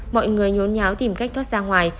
mọi người nhốn nháo tìm cách thoát ra ngoài